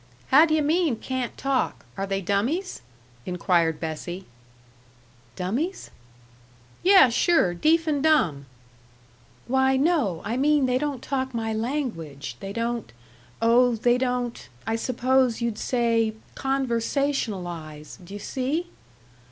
"How do yuh mean 'can't talk'? Are they dummies?" inquired Bessie. "Dummies?" "Yuh, sure, deef and dumb." "Why, no, I mean they don't talk my language they don't, oh, they don't, I suppose you'd say 'conversationalize.' Do you see?"